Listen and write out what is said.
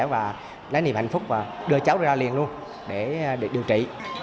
và lấy niềm hạnh phúc và đưa cháu ra liền luôn để được điều trị